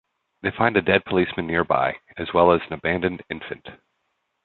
They find a dead policeman nearby, as well as an abandoned infant.